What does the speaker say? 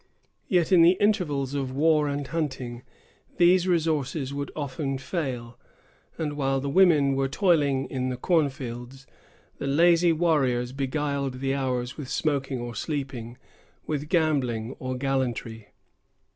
Yet in the intervals of war and hunting, these resources would often fail; and, while the women were toiling in the cornfields, the lazy warriors beguiled the hours with smoking or sleeping, with gambling or gallantry.